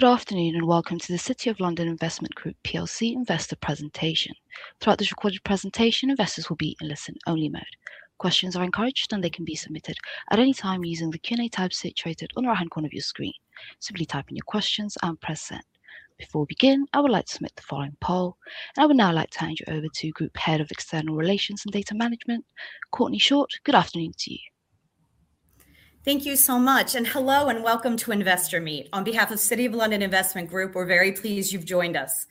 Good afternoon, and welcome to the City of London Investment Group PLC investor presentation. Throughout this recorded presentation, investors will be in listen-only mode. Questions are encouraged, and they can be submitted at any time using the Q&A tab situated on the right-hand corner of your screen. Simply type in your questions and press send. Before we begin, I would like to submit the following poll. I would now like to hand you over to Group Head of External Relations and Data Management, Courtney Short. Good afternoon to you. Thank you so much. Hello, and welcome to Investor Meet. On behalf of City of London Investment Group, we're very pleased you've joined us.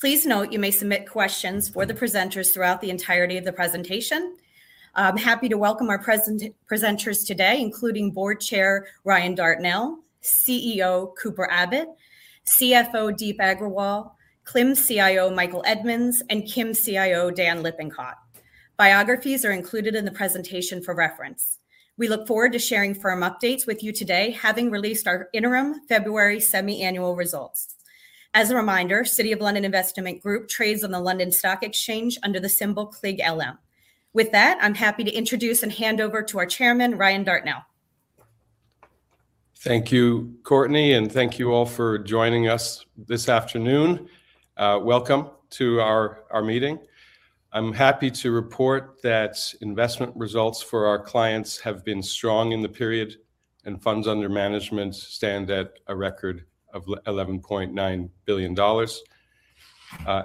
Please note you may submit questions for the presenters throughout the entirety of the presentation. I'm happy to welcome our presenters today, including Board Chair Rian Dartnell, CEO Cooper Abbott, CFO Deep Agrawal, CLIM CIO Michael Edmonds, and KIM CIO Daniel Lippincott. Biographies are included in the presentation for reference. We look forward to sharing firm updates with you today, having released our interim February semi-annual results. As a reminder, City of London Investment Group trades on the London Stock Exchange under the symbol CLIG LM. With that, I'm happy to introduce and hand over to our chairman, Rian Dartnell. Thank you, Courtney, and thank you all for joining us this afternoon. Welcome to our meeting. I'm happy to report that investment results for our clients have been strong in the period, and funds under management stand at a record of $11.9 billion.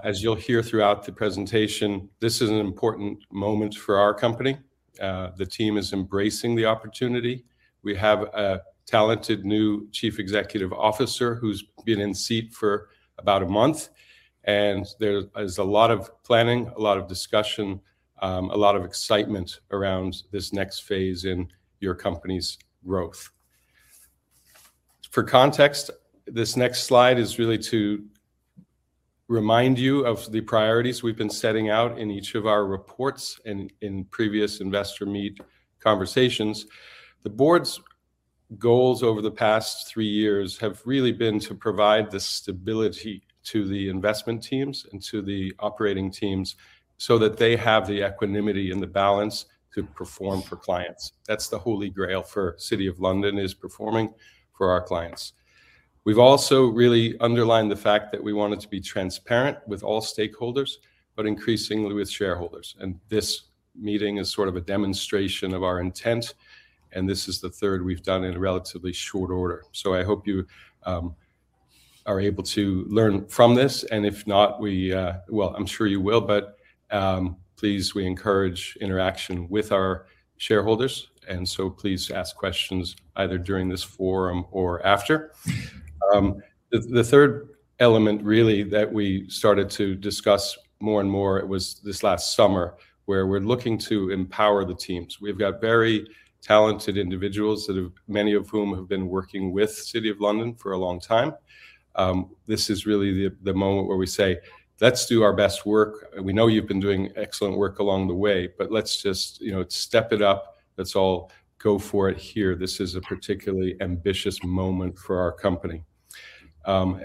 As you'll hear throughout the presentation, this is an important moment for our company. The team is embracing the opportunity. We have a talented new Chief Executive Officer who's been in seat for about a month, and there's a lot of planning, a lot of discussion, a lot of excitement around this next phase in your company's growth. For context, this next slide is really to remind you of the priorities we've been setting out in each of our reports in previous investor meet conversations. The board's goals over the past three years have really been to provide the stability to the investment teams and to the operating teams so that they have the equanimity and the balance to perform for clients. That's the holy grail for City of London is performing for our clients. We've also really underlined the fact that we wanted to be transparent with all stakeholders, but increasingly with shareholders. This meeting is sort of a demonstration of our intent, and this is the third we've done in a relatively short order. I hope you are able to learn from this, and if not, Well, I'm sure you will, but please, we encourage interaction with our shareholders, and so please ask questions either during this forum or after. The third element really that we started to discuss more and more was this last summer, where we're looking to empower the teams. We've got very talented individuals that have, many of whom have been working with City of London for a long time. This is really the moment where we say, "Let's do our best work. We know you've been doing excellent work along the way, but let's just, you know, step it up. Let's all go for it here." This is a particularly ambitious moment for our company.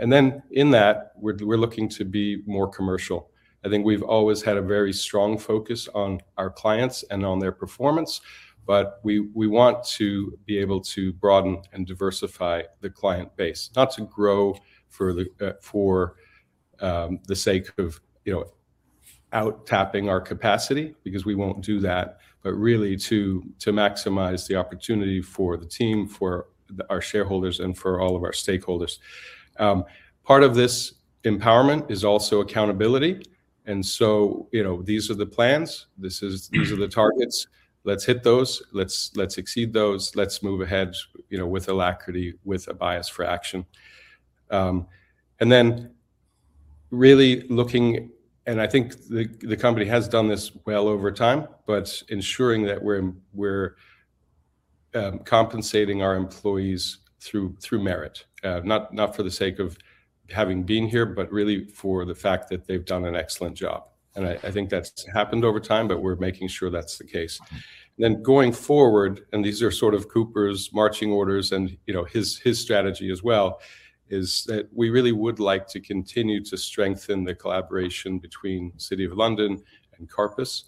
In that, we're looking to be more commercial. I think we've always had a very strong focus on our clients and on their performance, but we want to be able to broaden and diversify the client base, not to grow for the sake of, you know, out-tapping our capacity, because we won't do that, but really to maximize the opportunity for the team, for our shareholders, and for all of our stakeholders. Part of this empowerment is also accountability. You know, these are the plans. These are the targets. Let's hit those. Let's exceed those. Let's move ahead, you know, with alacrity, with a bias for action. Really looking, and I think the company has done this well over time, but ensuring that we're compensating our employees through merit. Not for the sake of having been here, but really for the fact that they've done an excellent job. I think that's happened over time, but we're making sure that's the case. Going forward, these are sort of Cooper's marching orders and, you know, his strategy as well, is that we really would like to continue to strengthen the collaboration between City of London and Karpus,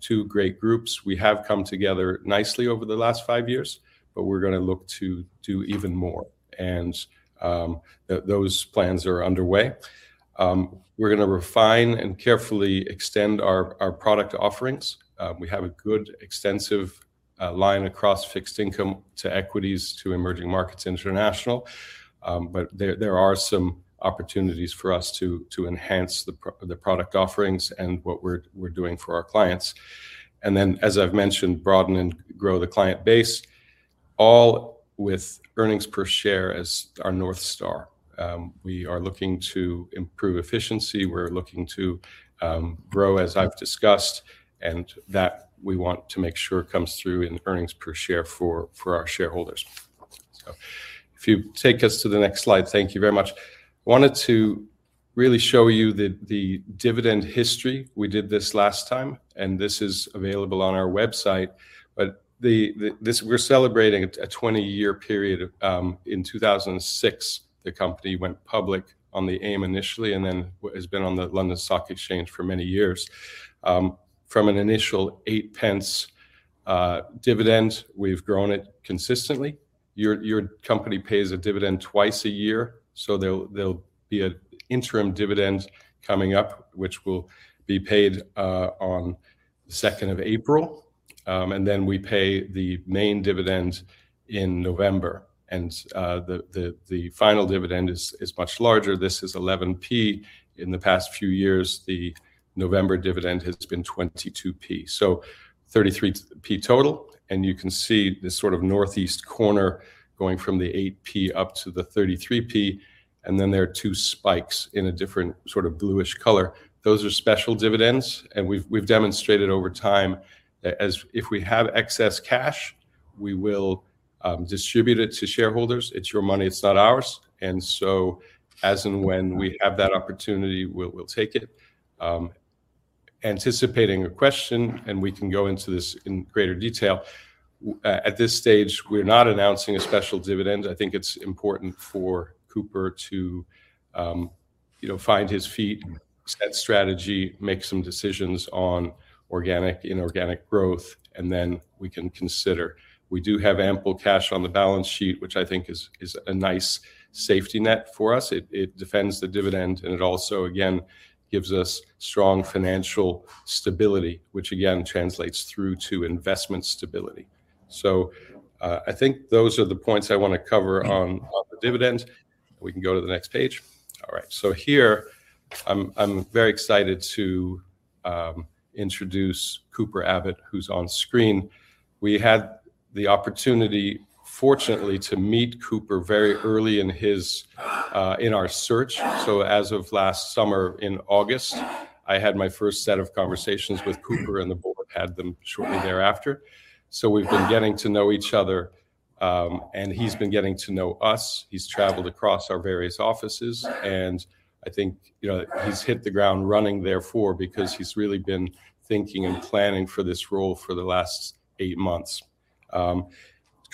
two great groups. We have come together nicely over the last five-years, but we're gonna look to do even more. Those plans are underway. We're gonna refine and carefully extend our product offerings. We have a good extensive line across fixed income to equities to emerging markets international. There are some opportunities for us to enhance the product offerings and what we're doing for our clients. As I've mentioned, broaden and grow the client base, all with earnings per share as our North Star. We are looking to improve efficiency. We're looking to grow, as I've discussed, and that we want to make sure comes through in earnings per share for our shareholders. If you take us to the next slide. Thank you very much. I wanted to really show you the dividend history. We did this last time, and this is available on our website. We're celebrating a 20-year period. In 2006, the company went public on the AIM initially, and then has been on the London Stock Exchange for many years. From an initial 8p dividend, we've grown it consistently. Your company pays a dividend twice a year, so there'll be an interim dividend coming up, which will be paid on the second of April. Then we pay the main dividend in November. The final dividend is much larger. This is 11p. In the past few years, the November dividend has been 22p. So 33p total. You can see this sort of northeast corner going from the 8p up to the 33p. Then there are two spikes in a different sort of bluish color. Those are special dividends. We've demonstrated over time, if we have excess cash, we will distribute it to shareholders. It's your money, it's not ours. As and when we have that opportunity, we'll take it. Anticipating a question, and we can go into this in greater detail. At this stage, we're not announcing a special dividend. I think it's important for Cooper to you know, find his feet, set strategy, make some decisions on organic, inorganic growth, and then we can consider. We do have ample cash on the balance sheet, which I think is a nice safety net for us. It defends the dividend, and it also, again, gives us strong financial stability, which again translates through to investment stability. I think those are the points I wanna cover on the dividend. We can go to the next page. All right. Here I'm very excited to introduce Cooper Abbott, who's on screen. We had the opportunity, fortunately, to meet Cooper very early in his in our search. As of last summer in August, I had my first set of conversations with Cooper, and the board had them shortly thereafter. We've been getting to know each other, and he's been getting to know us. He's traveled across our various offices, and I think, you know, he's hit the ground running therefore because he's really been thinking and planning for this role for the last eight months.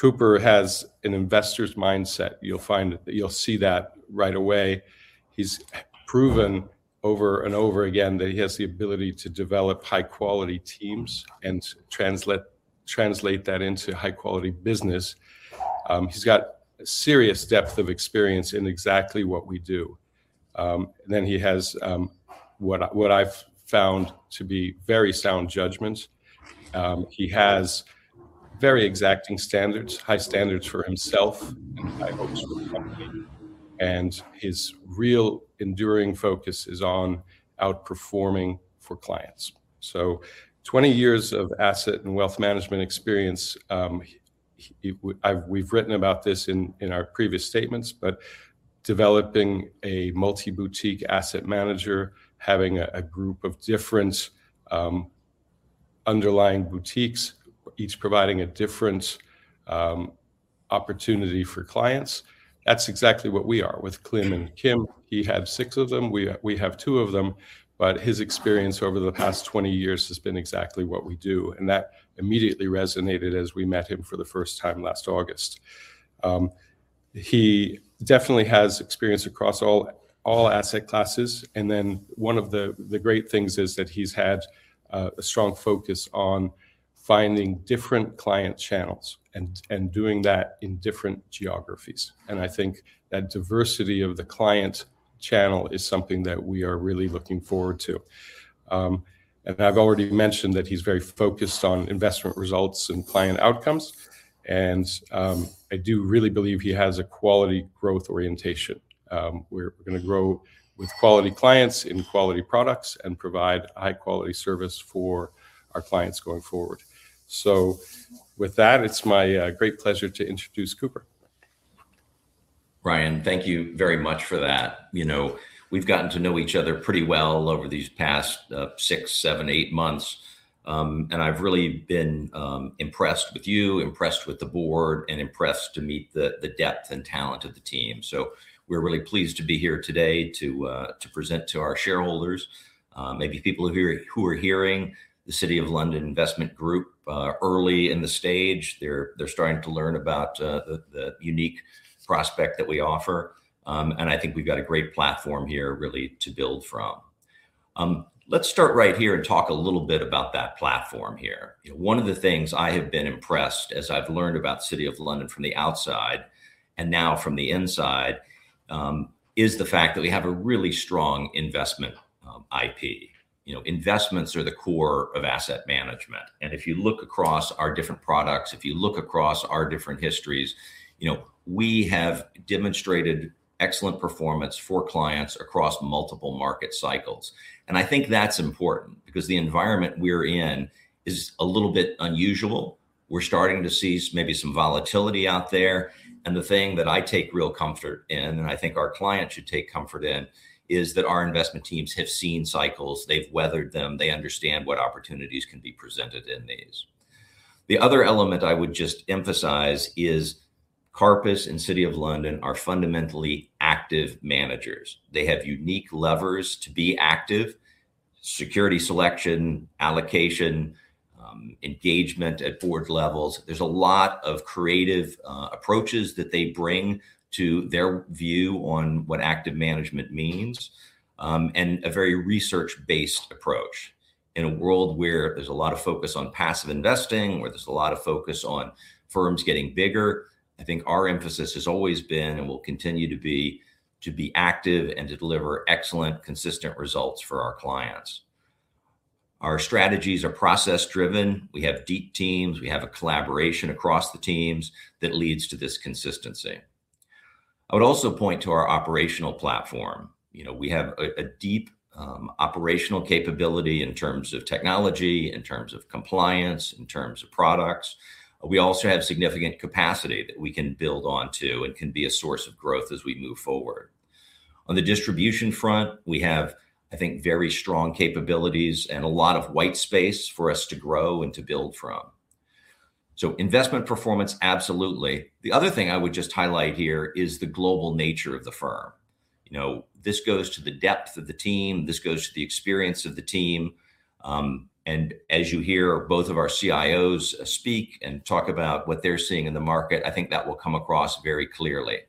Cooper has an investor's mindset. You'll find. You'll see that right away. He's proven over and over again that he has the ability to develop high-quality teams and translate that into high-quality business. He's got serious depth of experience in exactly what we do. And then he has what I've found to be very sound judgment. He has very exacting standards, high standards for himself, and high hopes for the company. His real enduring focus is on outperforming for clients. 20-years of asset and wealth management experience, we've written about this in our previous statements. Developing a multi-boutique asset manager, having a group of different underlying boutiques, each providing a different opportunity for clients, that's exactly what we are. With CLIM and KIM, he had six of them. We have two of them. His experience over the past 20-years has been exactly what we do, and that immediately resonated as we met him for the first time last August. He definitely has experience across all asset classes. One of the great things is that he's had a strong focus on finding different client channels and doing that in different geographies. I think that diversity of the client channel is something that we are really looking forward to. I've already mentioned that he's very focused on investment results and client outcomes. I do really believe he has a quality growth orientation. We're gonna grow with quality clients in quality products and provide high-quality service for our clients going forward. With that, it's my great pleasure to introduce Cooper. Rian, thank you very much for that. You know, we've gotten to know each other pretty well over these past six, seven, eight months. I've really been impressed with you, impressed with the board, and impressed to meet the depth and talent of the team. We're really pleased to be here today to present to our shareholders. Maybe people who are hearing the City of London Investment Group early in the stage. They're starting to learn about the unique prospect that we offer. I think we've got a great platform here really to build from. Let's start right here and talk a little bit about that platform here. One of the things I have been impressed as I've learned about City of London from the outside and now from the inside is the fact that we have a really strong investment IP. You know, investments are the core of asset management. If you look across our different products, if you look across our different histories, you know, we have demonstrated excellent performance for clients across multiple market cycles. I think that's important because the environment we're in is a little bit unusual. We're starting to see maybe some volatility out there. The thing that I take real comfort in, and I think our clients should take comfort in, is that our investment teams have seen cycles. They've weathered them. They understand what opportunities can be presented in these. The other element I would just emphasize is Karpus and City of London are fundamentally active managers. They have unique levers to be active, security selection, allocation, engagement at board levels. There's a lot of creative approaches that they bring to their view on what active management means, and a very research-based approach. In a world where there's a lot of focus on passive investing, where there's a lot of focus on firms getting bigger, I think our emphasis has always been and will continue to be, to be active and deliver excellent, consistent results for our clients. Our strategies are process-driven. We have deep teams. We have a collaboration across the teams that leads to this consistency. I would also point to our operational platform. You know, we have a deep operational capability in terms of technology, in terms of compliance, in terms of products. We also have significant capacity that we can build onto and can be a source of growth as we move forward. On the distribution front, we have, I think, very strong capabilities and a lot of white space for us to grow and to build from. Investment performance, absolutely. The other thing I would just highlight here is the global nature of the firm. You know, this goes to the depth of the team, this goes to the experience of the team, and as you hear both of our CIOs speak and talk about what they're seeing in the market, I think that will come across very clearly.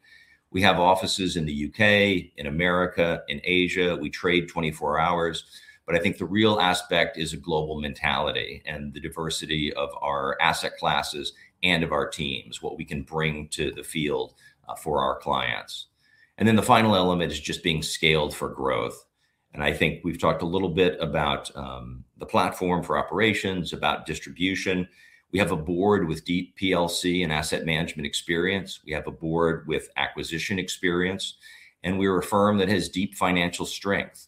We have offices in the U.K., in America, in Asia. We trade 24 hours. I think the real aspect is a global mentality and the diversity of our asset classes and of our teams, what we can bring to the field for our clients. The final element is just being scaled for growth. I think we've talked a little bit about the platform for operations, about distribution. We have a board with deep PLC and asset management experience. We have a board with acquisition experience, and we're a firm that has deep financial strength.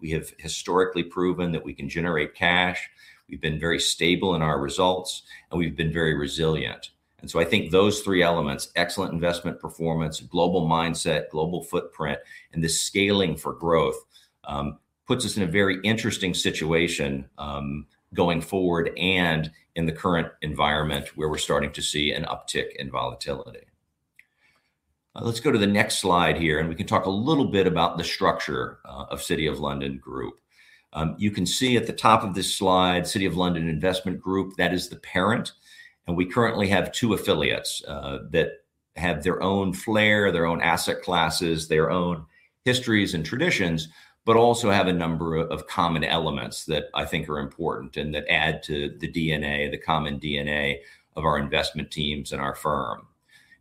We have historically proven that we can generate cash. We've been very stable in our results, and we've been very resilient. I think those three elements, excellent investment performance, global mindset, global footprint, and the scaling for growth, puts us in a very interesting situation, going forward and in the current environment where we're starting to see an uptick in volatility. Let's go to the next slide here, and we can talk a little bit about the structure of City of London Investment Group. You can see at the top of this slide, City of London Investment Group, that is the parent. We currently have two affiliates that have their own flair, their own asset classes, their own histories and traditions, but also have a number of common elements that I think are important and that add to the DNA, the common DNA of our investment teams and our firm.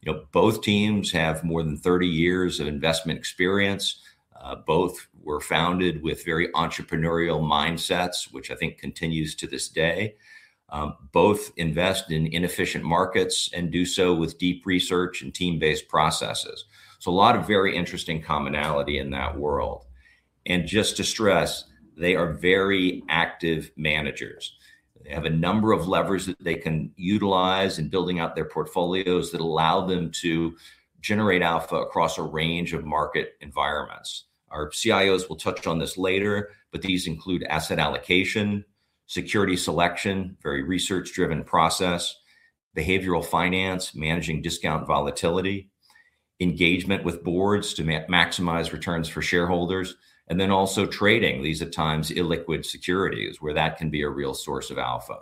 You know, both teams have more than 30-years of investment experience. Both were founded with very entrepreneurial mindsets, which I think continues to this day. Both invest in inefficient markets and do so with deep research and team-based processes. A lot of very interesting commonality in that world. Just to stress, they are very active managers. They have a number of levers that they can utilize in building out their portfolios that allow them to generate alpha across a range of market environments. Our CIOs will touch on this later, but these include asset allocation, security selection, very research-driven process, behavioral finance, managing discount volatility, engagement with boards to maximize returns for shareholders, and then also trading these at times illiquid securities, where that can be a real source of alpha.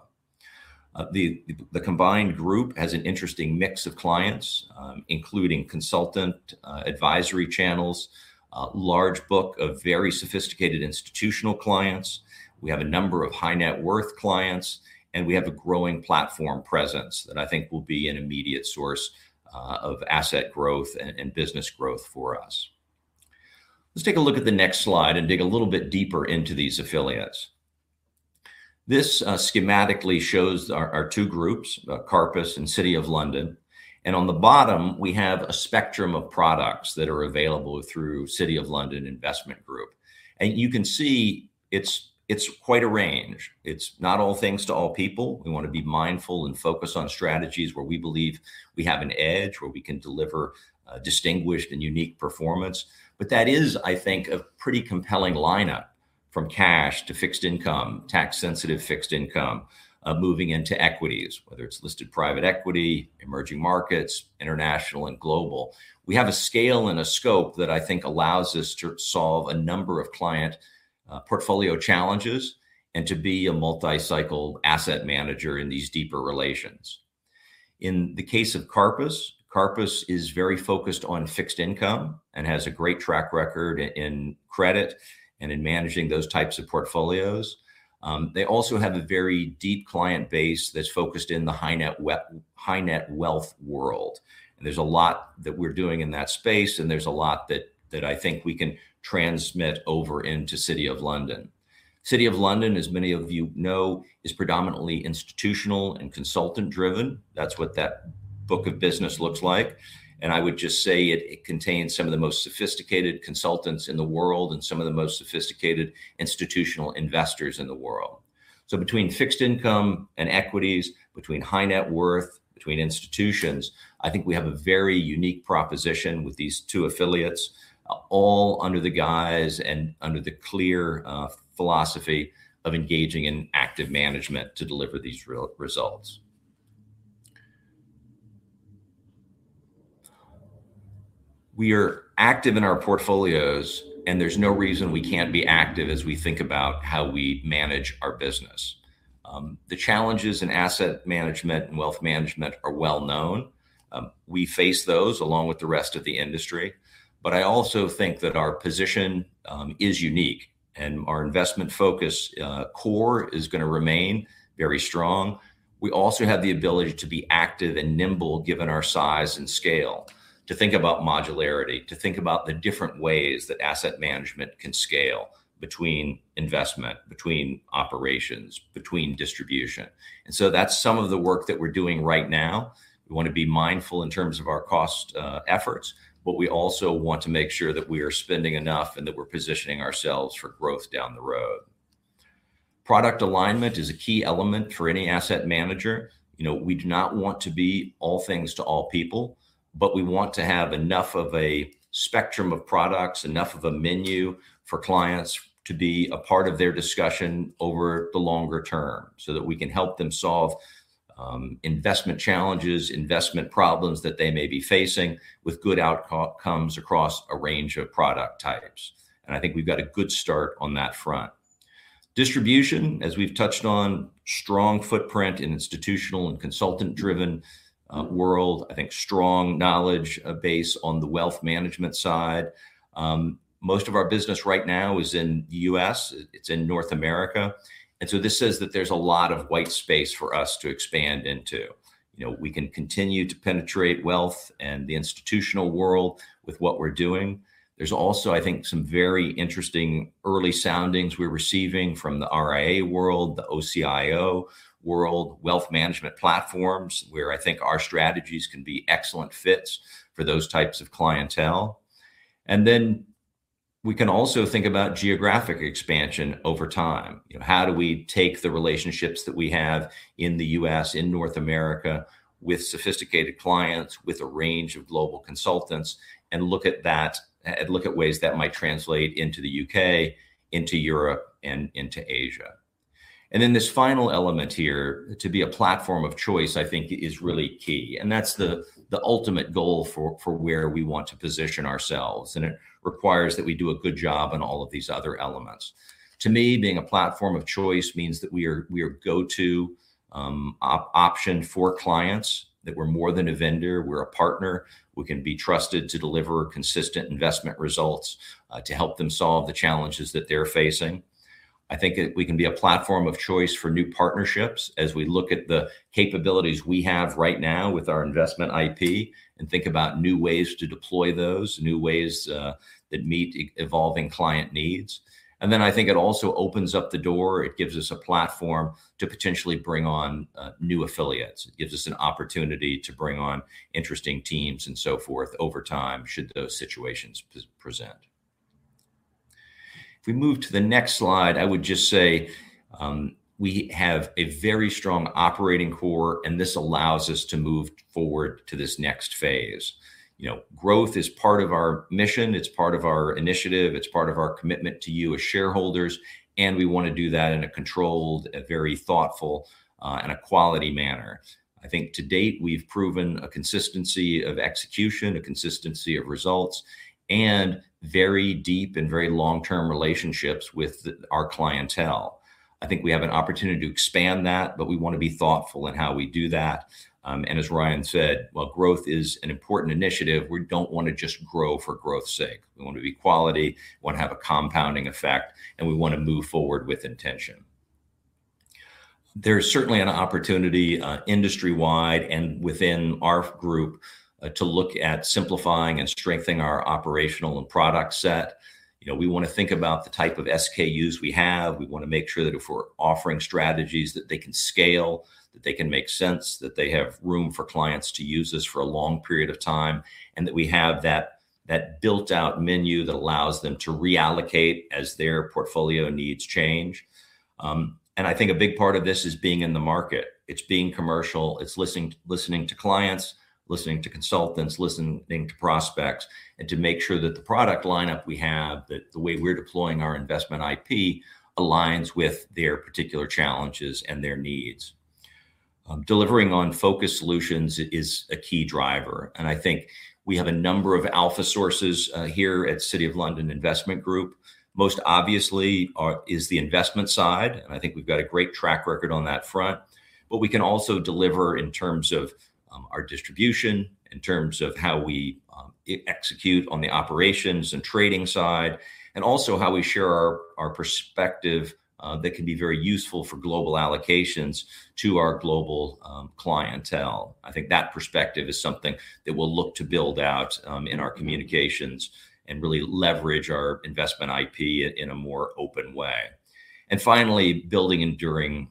The combined group has an interesting mix of clients, including consultant advisory channels, a large book of very sophisticated institutional clients. We have a number of high-net-worth clients, and we have a growing platform presence that I think will be an immediate source of asset growth and business growth for us. Let's take a look at the next slide and dig a little bit deeper into these affiliates. This schematically shows our two groups, Karpus and City of London. On the bottom, we have a spectrum of products that are available through City of London Investment Group. You can see it's quite a range. It's not all things to all people. We wanna be mindful and focused on strategies where we believe we have an edge, where we can deliver distinguished and unique performance. That is, I think, a pretty compelling lineup from cash to fixed income, tax-sensitive fixed income, moving into equities, whether it's listed private equity, emerging markets, international, and global. We have a scale and a scope that I think allows us to solve a number of client portfolio challenges and to be a multi-cycle asset manager in these deeper relations. In the case of Karpus is very focused on fixed income and has a great track record in credit and in managing those types of portfolios. They also have a very deep client base that's focused in the high-net-worth world. There's a lot that we're doing in that space, and there's a lot that I think we can transmit over into City of London. City of London, as many of you know, is predominantly institutional and consultant-driven. That's what that book of business looks like. I would just say it contains some of the most sophisticated consultants in the world and some of the most sophisticated institutional investors in the world. Between fixed income and equities, between high net worth, between institutions, I think we have a very unique proposition with these two affiliates, all under the guise and under the clear philosophy of engaging in active management to deliver these results. We are active in our portfolios, and there's no reason we can't be active as we think about how we manage our business. The challenges in asset management and wealth management are well known. We face those along with the rest of the industry. I also think that our position is unique and our investment focus core is gonna remain very strong. We also have the ability to be active and nimble, given our size and scale, to think about modularity, to think about the different ways that asset management can scale between investment, between operations, between distribution. That's some of the work that we're doing right now. We wanna be mindful in terms of our cost efforts, but we also want to make sure that we are spending enough and that we're positioning ourselves for growth down the road. Product alignment is a key element for any asset manager. You know, we do not want to be all things to all people, but we want to have enough of a spectrum of products, enough of a menu for clients to be a part of their discussion over the longer term, so that we can help them solve investment challenges, investment problems that they may be facing with good outcomes across a range of product types. I think we've got a good start on that front. Distribution, as we've touched on, strong footprint in institutional and consultant-driven world. I think strong knowledge base on the wealth management side. Most of our business right now is in the U.S. It's in North America. This says that there's a lot of white space for us to expand into. You know, we can continue to penetrate wealth and the institutional world with what we're doing. There's also, I think, some very interesting early soundings we're receiving from the RIA world, the OCIO world, wealth management platforms, where I think our strategies can be excellent fits for those types of clientele. We can also think about geographic expansion over time. You know, how do we take the relationships that we have in the U.S., in North America, with sophisticated clients, with a range of global consultants, and look at that, and look at ways that might translate into the U.K., into Europe, and into Asia. This final element here, to be a platform of choice, I think is really key. That's the ultimate goal for where we want to position ourselves, and it requires that we do a good job on all of these other elements. To me, being a platform of choice means that we are go-to option for clients, that we're more than a vendor. We're a partner. We can be trusted to deliver consistent investment results to help them solve the challenges that they're facing. I think that we can be a platform of choice for new partnerships as we look at the capabilities we have right now with our investment IP and think about new ways to deploy those, new ways that meet evolving client needs. I think it also opens up the door, it gives us a platform to potentially bring on new affiliates. It gives us an opportunity to bring on interesting teams and so forth over time, should those situations present. If we move to the next slide, I would just say, we have a very strong operating core, and this allows us to move forward to this next phase. You know, growth is part of our mission. It's part of our initiative. It's part of our commitment to you as shareholders, and we wanna do that in a controlled, very thoughtful, and quality manner. I think to date, we've proven a consistency of execution, a consistency of results, and very deep and very long-term relationships with our clientele. I think we have an opportunity to expand that, but we wanna be thoughtful in how we do that. And as Rian said, while growth is an important initiative, we don't wanna just grow for growth's sake. We want to be quality, wanna have a compounding effect, and we wanna move forward with intention. There's certainly an opportunity, industry-wide and within our group, to look at simplifying and strengthening our operational and product set. You know, we wanna think about the type of SKUs we have. We wanna make sure that if we're offering strategies that they can scale, that they can make sense, that they have room for clients to use this for a long period of time, and that we have that built-out menu that allows them to reallocate as their portfolio needs change. I think a big part of this is being in the market. It's being commercial. It's listening to clients, listening to consultants, listening to prospects, and to make sure that the product lineup we have, that the way we're deploying our investment IP aligns with their particular challenges and their needs. Delivering on focused solutions is a key driver, and I think we have a number of alpha sources here at City of London Investment Group. Most obviously is the investment side, and I think we've got a great track record on that front. But we can also deliver in terms of our distribution, in terms of how we execute on the operations and trading side, and also how we share our perspective that can be very useful for global allocations to our global clientele. I think that perspective is something that we'll look to build out in our communications and really leverage our investment IP in a more open way. Finally, building enduring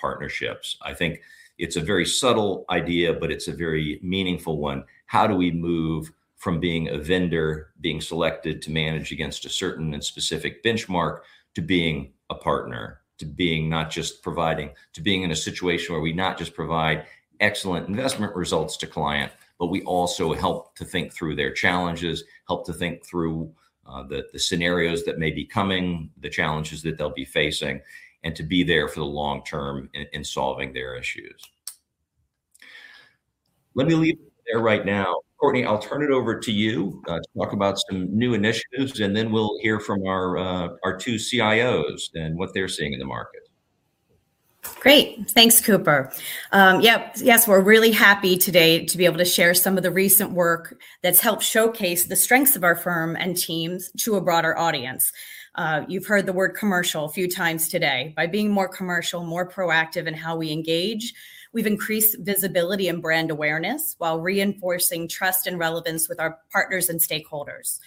partnerships. I think it's a very subtle idea, but it's a very meaningful one. How do we move from being a vendor, being selected to manage against a certain and specific benchmark, to being a partner? To being not just providing, to being in a situation where we not just provide excellent investment results to client, but we also help to think through their challenges, help to think through the scenarios that may be coming, the challenges that they'll be facing, and to be there for the long-term in solving their issues. Let me leave it there right now. Courtney, I'll turn it over to you, to talk about some new initiatives, and then we'll hear from our two CIOs and what they're seeing in the market. Great. Thanks, Cooper. Yes, we're really happy today to be able to share some of the recent work that's helped showcase the strengths of our firm and teams to a broader audience. You've heard the word commercial a few times today. By being more commercial, more proactive in how we engage, we've increased visibility and brand awareness while reinforcing trust and relevance with our partners and stakeholders.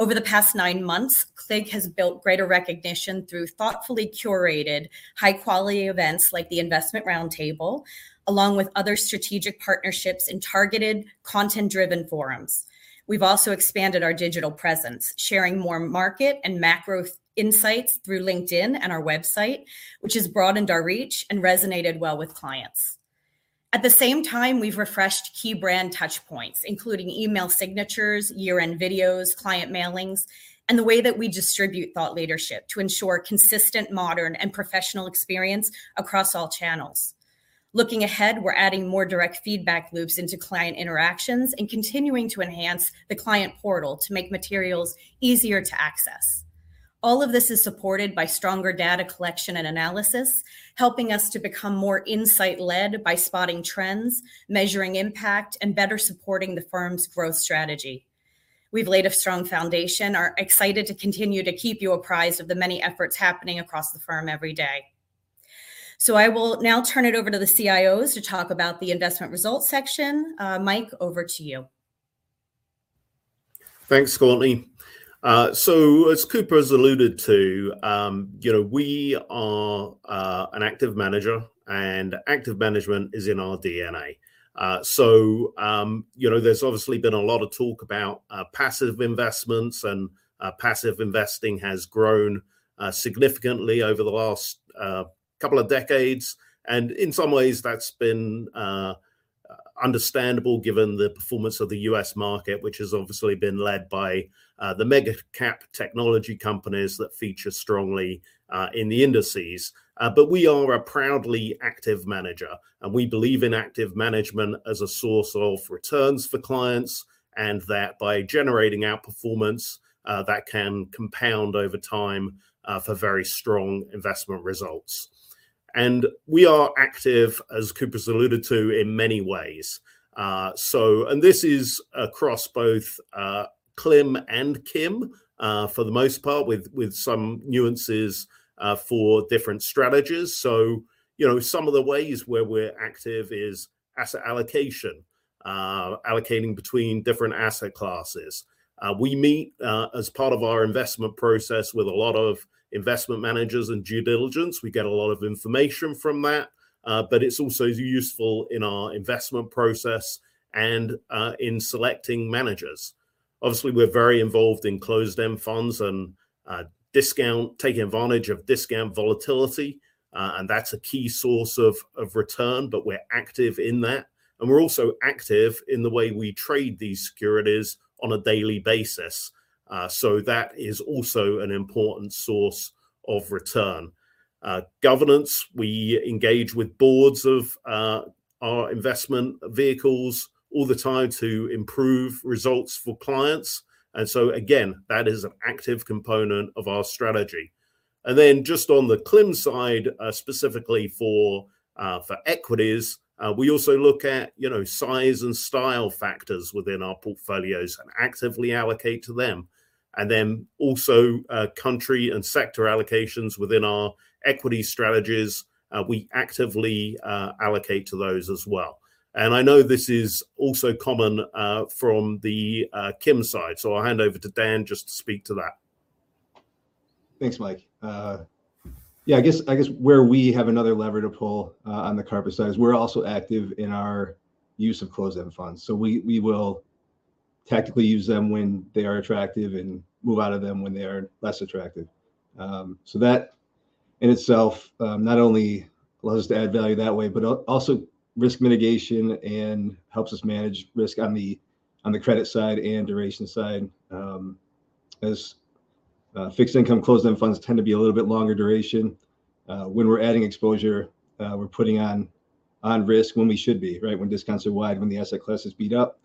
Over the past nine months, CLIG has built greater recognition through thoughtfully curated high-quality events like the Investment Round Table, along with other strategic partnerships in targeted content-driven forums. We've also expanded our digital presence, sharing more market and macro insights through LinkedIn and our website, which has broadened our reach and resonated well with clients. At the same time, we've refreshed key brand touchpoints, including email signatures, year-end videos, client mailings, and the way that we distribute thought leadership to ensure consistent, modern, and professional experience across all channels. Looking ahead, we're adding more direct feedback loops into client interactions and continuing to enhance the client portal to make materials easier to access. All of this is supported by stronger data collection and analysis, helping us to become more insight led by spotting trends, measuring impact, and better supporting the firm's growth strategy. We've laid a strong foundation and are excited to continue to keep you apprised of the many efforts happening across the firm every day. I will now turn it over to the CIOs to talk about the investment results section. Mike, over to you. Thanks, Courtney. As Cooper's alluded to, you know, we are an active manager and active management is in our DNA. You know, there's obviously been a lot of talk about passive investments, and passive investing has grown significantly over the last couple of decades. In some ways that's been understandable given the performance of the U.S. market, which has obviously been led by the mega cap technology companies that feature strongly in the indices. We are a proudly active manager, and we believe in active management as a source of returns for clients, and that by generating outperformance, that can compound over time for very strong investment results. We are active, as Cooper's alluded to, in many ways. This is across both CLIM and KIM for the most part, with some nuances for different strategies. You know, some of the ways where we're active is asset allocation, allocating between different asset classes. We meet as part of our investment process with a lot of investment managers and due diligence. We get a lot of information from that, but it's also useful in our investment process and in selecting managers. Obviously, we're very involved in closed-end funds and discount, taking advantage of discount volatility, and that's a key source of return. We're active in that, and we're also active in the way we trade these securities on a daily basis. That is also an important source of return. Governance, we engage with boards of our investment vehicles all the time to improve results for clients. Again, that is an active component of our strategy. Just on the CLIM side, specifically for equities, we also look at, you know, size and style factors within our portfolios and actively allocate to them. Country and sector allocations within our equity strategies, we actively allocate to those as well. I know this is also common from the KIM side. I'll hand over to Dan just to speak to that. Thanks, Mike. Yeah, I guess where we have another lever to pull on the Karpus side is we're also active in our use of closed-end funds. We will tactically use them when they are attractive and move out of them when they are less attractive. That in itself not only allows us to add value that way, but also risk mitigation and helps us manage risk on the credit side and duration side. As fixed income closed-end funds tend to be a little bit longer duration, when we're adding exposure, we're putting on risk when we should be, right? When discounts are wide, when the asset class is beat up,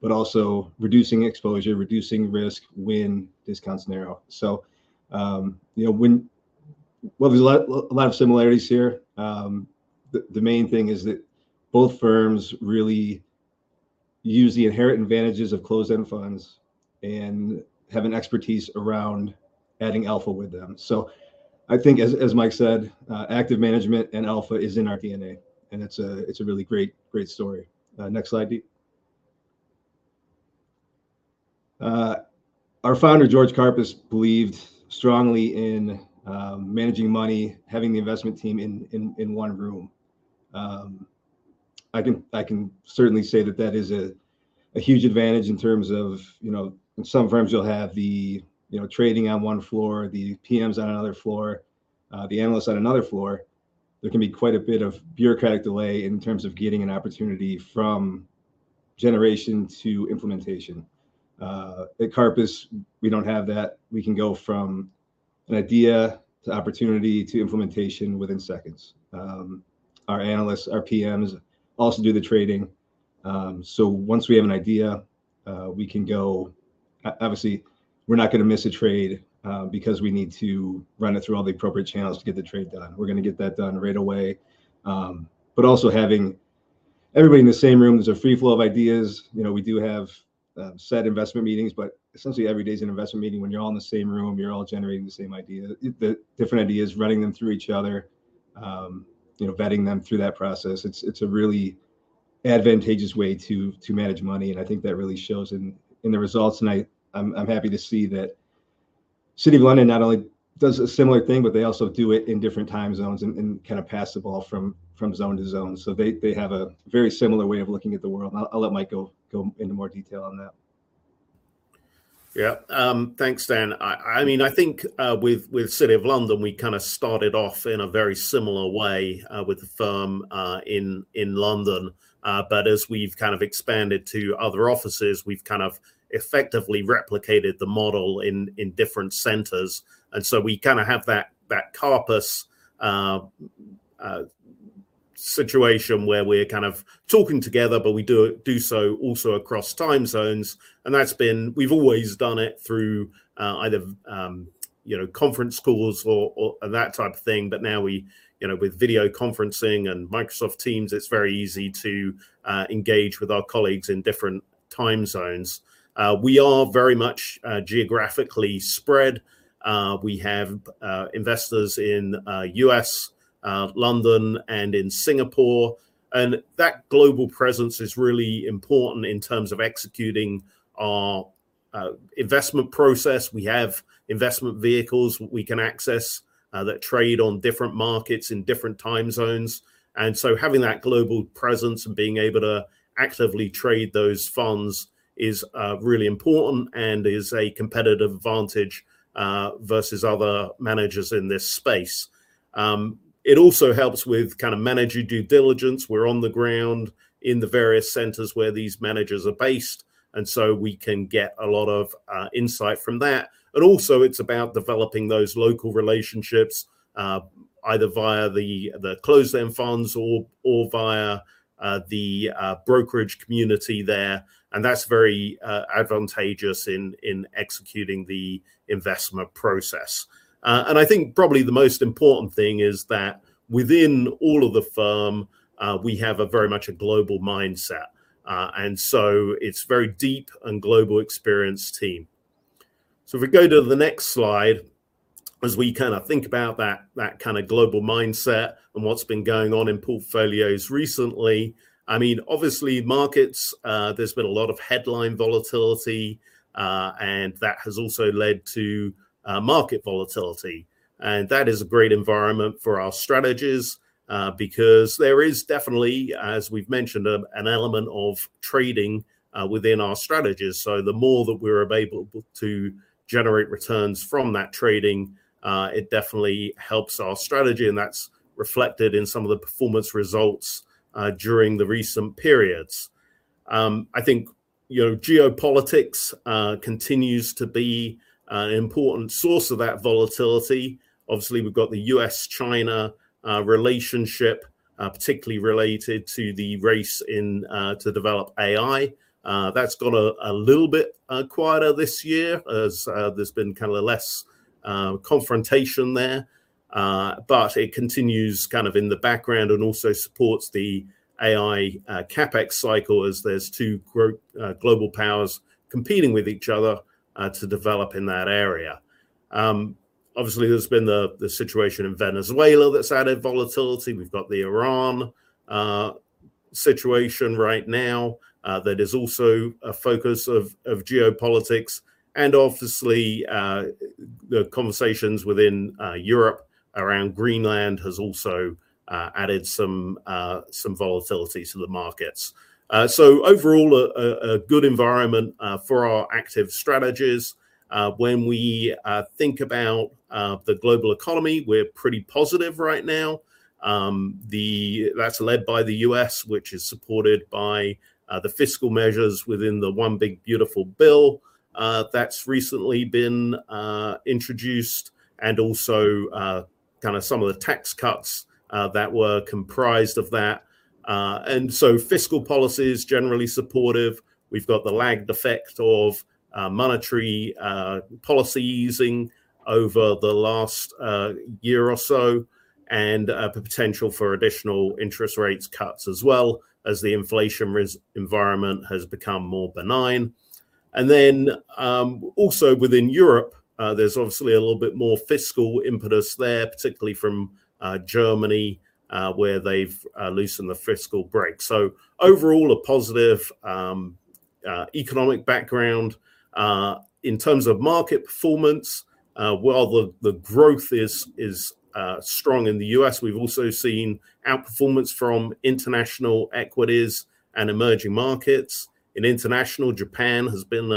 but also reducing exposure, reducing risk when discounts narrow. You know, well, there's a lot of similarities here. The main thing is that both firms really use the inherent advantages of closed-end funds and have an expertise around adding alpha with them. I think as Mike said, active management and alpha is in our DNA, and it's a really great story. Next slide, please. Our founder, George Karpus, believed strongly in managing money, having the investment team in one room. I can certainly say that that is a huge advantage in terms of, you know, in some firms you'll have the, you know, trading on one floor, the PMs on another floor, the analysts on another floor. There can be quite a bit of bureaucratic delay in terms of getting an opportunity from generation to implementation. At Karpus, we don't have that. We can go from an idea to opportunity to implementation within seconds. Our analysts, our PMs also do the trading. Once we have an idea, obviously, we're not gonna miss a trade because we need to run it through all the appropriate channels to get the trade done. We're gonna get that done right away. Also having everybody in the same room, there's a free flow of ideas. You know, we do have set investment meetings, but essentially every day is an investment meeting. When you're all in the same room, you're all generating the same idea. The different ideas, running them through each other, you know, vetting them through that process, it's a really advantageous way to manage money, and I think that really shows in the results. I’m happy to see that City of London not only does a similar thing, but they also do it in different time zones and kind of pass the ball from zone to zone. They have a very similar way of looking at the world. I’ll let Mike go into more detail on that. Yeah. Thanks, Dan. I mean, I think with City of London, we kind of started off in a very similar way with the firm in London. As we've kind of expanded to other offices, we've kind of effectively replicated the model in different centers. We kind of have that Karpus situation where we're kind of talking together, but we do so also across time zones, and that's been. We have always done it through either, you know, conference calls or that type of thing. Now we, you know, with video conferencing and Microsoft Teams, it's very easy to engage with our colleagues in different time zones. We are very much geographically spread. We have investors in U.S., London, and Singapore, and that global presence is really important in terms of executing our investment process. We have investment vehicles we can access that trade on different markets in different time zones. Having that global presence and being able to actively trade those funds is really important and is a competitive advantage versus other managers in this space. It also helps with kind of manager due diligence. We're on the ground in the various centers where these managers are based, and so we can get a lot of insight from that. It's about developing those local relationships either via the closed-end funds or via the brokerage community there, and that's very advantageous in executing the investment process. I think probably the most important thing is that within all of the firm, we have a very much a global mindset, and it's very deep and global experienced team. If we go to the next slide, as we kind of think about that kind of global mindset and what's been going on in portfolios recently, I mean, obviously markets, there's been a lot of headline volatility, and that has also led to market volatility. That is a great environment for our strategies, because there is definitely, as we've mentioned, an element of trading within our strategies. The more that we're available to generate returns from that trading, it definitely helps our strategy, and that's reflected in some of the performance results during the recent periods. I think, you know, geopolitics continues to be an important source of that volatility. Obviously, we've got the U.S.-China relationship, particularly related to the race to develop AI. That's got a little bit quieter this year as there's been kind of less confrontation there. But it continues kind of in the background and also supports the AI CapEx cycle as there's two global powers competing with each other to develop in that area. Obviously there's been the situation in Venezuela that's added volatility. We've got the Iran situation right now that is also a focus of geopolitics. Obviously, the conversations within Europe around Greenland has also added some volatility to the markets. So overall a good environment for our active strategies. When we think about the global economy, we're pretty positive right now. That's led by the U.S., which is supported by the fiscal measures within the One Big Beautiful Bill that's recently been introduced and also kind of some of the tax cuts that were comprised of that. Fiscal policy is generally supportive. We've got the lagged effect of monetary policy easing over the last year or so, and the potential for additional interest rates cuts as well as the inflation environment has become more benign. Also within Europe, there's obviously a little bit more fiscal impetus there, particularly from Germany, where they've loosened the fiscal brake. Overall, a positive economic background. In terms of market performance, while the growth is strong in the U.S., we've also seen outperformance from international equities and emerging markets. In international, Japan has been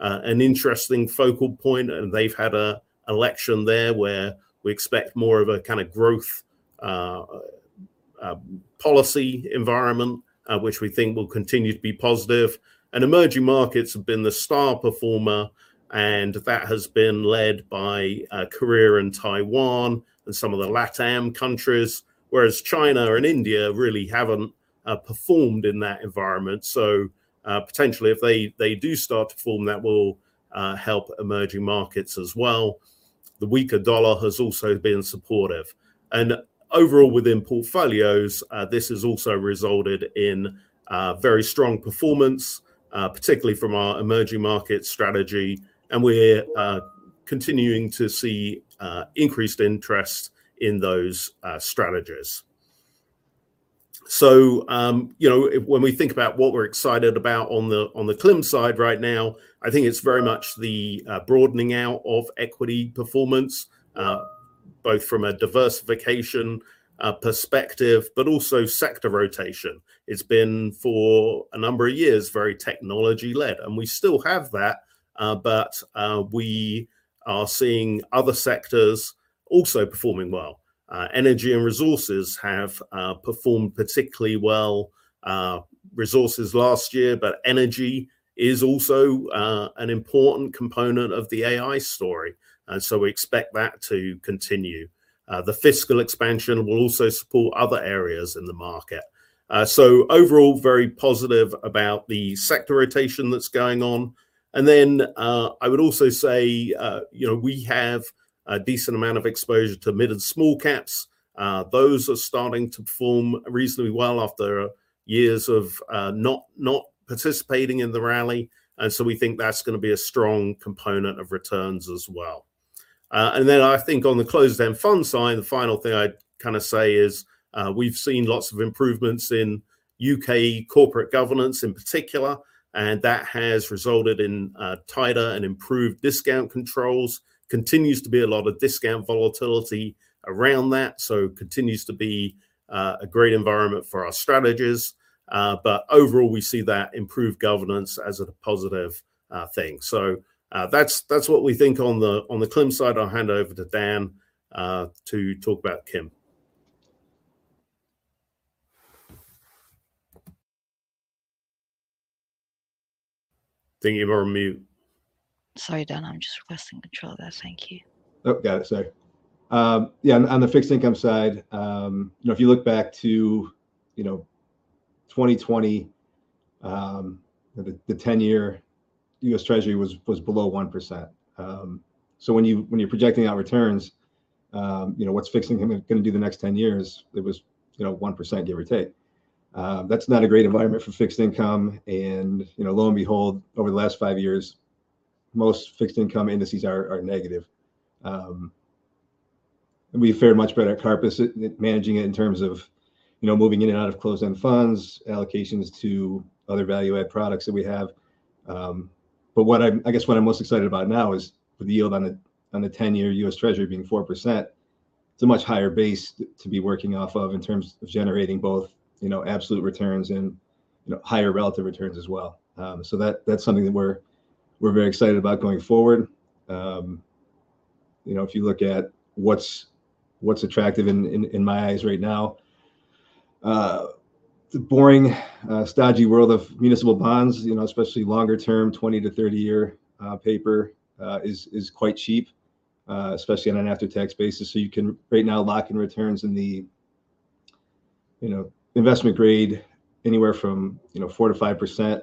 an interesting focal point, and they've had an election there where we expect more of a kind of growth policy environment, which we think will continue to be positive. Emerging markets have been the star performer, and that has been led by Korea and Taiwan and some of the LatAm countries, whereas China and India really haven't performed in that environment. Potentially if they do start to perform, that will help emerging markets as well. The weaker dollar has also been supportive. Overall within portfolios, this has also resulted in very strong performance, particularly from our emerging market strategy. We're continuing to see increased interest in those strategies. You know, when we think about what we're excited about on the CLIM side right now, I think it's very much the broadening out of equity performance, both from a diversification perspective, but also sector rotation. It's been for a number of years, very technology-led, and we still have that, but we are seeing other sectors also performing well. Energy and resources have performed particularly well, resources last year, but energy is also an important component of the AI story. We expect that to continue. The fiscal expansion will also support other areas in the market. Overall, very positive about the sector rotation that's going on. I would also say, you know, we have a decent amount of exposure to mid and small caps. Those are starting to perform reasonably well after years of not participating in the rally. We think that's gonna be a strong component of returns as well. I think on the closed-end fund side, the final thing I'd kind of say is, we've seen lots of improvements in U.K. corporate governance in particular, and that has resulted in tighter and improved discount controls. Continues to be a lot of discount volatility around that, so continues to be a great environment for our strategies. Overall, we see that improved governance as a positive thing. That's what we think on the CLIM side. I'll hand over to Dan to talk about KIM. think you're on mute. Sorry, Dan. I'm just requesting control there. Thank you. Oh, got it. Sorry. Yeah, on the fixed income side, you know, if you look back to 2020, the ten-year U.S. Treasury was below 1%. So when you're projecting out returns, you know, what's fixed income gonna do the next 10-years, it was 1%, give or take. That's not a great environment for fixed income and, you know, lo and behold, over the last five-years, most fixed income indices are negative. We fared much better at Karpus at managing it in terms of, you know, moving in and out of closed-end funds, allocations to other value add products that we have. But what I'm... I guess what I'm most excited about now is with the yield on the ten-year U.S. Treasury being 4%, it's a much higher base to be working off of in terms of generating both, you know, absolute returns and, you know, higher relative returns as well. That's something that we're very excited about going forward. You know, if you look at what's attractive in my eyes right now, the boring, stodgy world of municipal bonds, you know, especially longer term, 20- to 30-year paper, is quite cheap, especially on an after-tax basis. You can right now lock in returns in the investment grade anywhere from 4%-5%,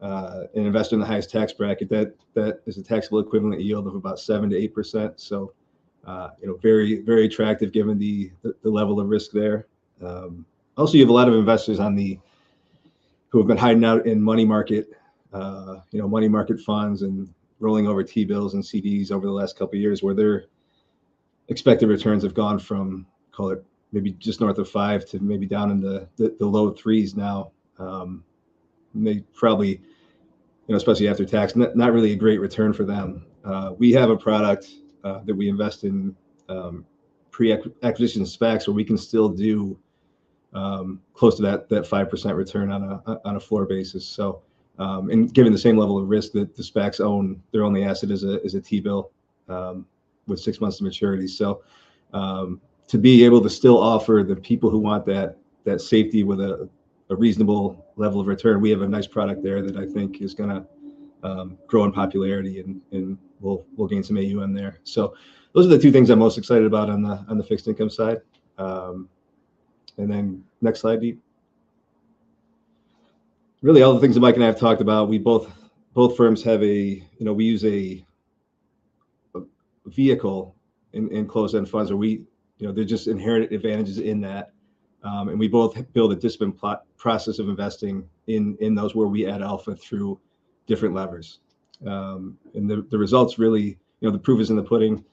and invest in the highest tax bracket. That is a taxable equivalent yield of about 7%-8%. You know, very attractive given the level of risk there. Also you have a lot of investors who have been hiding out in money market funds and rolling over T-bills and CDs over the last couple of years, where their expected returns have gone from, call it maybe just north of five to maybe down in the low 3s now. They probably, you know, especially after tax, not really a great return for them. We have a product that we invest in pre-acquisitions SPACs where we can still do close to that 5% return on a floor basis. Given the same level of risk that the SPACs own, their only asset is a T-bill with six months to maturity. To be able to still offer the people who want that safety with a reasonable level of return, we have a nice product there that I think is gonna grow in popularity and we'll gain some AUM there. Those are the two things I'm most excited about on the fixed income side. Next slide, Deep. Really all the things that Mike and I have talked about, both firms have, you know, we use a vehicle in closed-end funds where, you know, there are just inherent advantages in that. We both build a disciplined process of investing in those where we add alpha through different levers. The results really, you know, the proof is in the pudding.